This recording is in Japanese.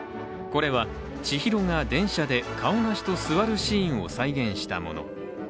これは、千尋が電車でカオナシと座るシーンを再現したもの。